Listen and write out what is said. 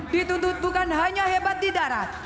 dituntut bukan hanya hebat di darat